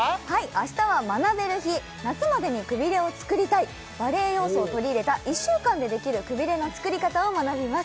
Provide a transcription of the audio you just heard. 明日は学べる日夏までにくびれを作りたいバレエ要素を取り入れた１週間でできるくびれの作り方を学びます